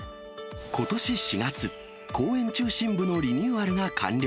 ことし４月、公園中心部のリニューアルが完了。